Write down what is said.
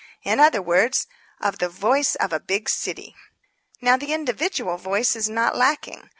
In other words, of the Voice of a Big City. Now, the individual voice is not lacking.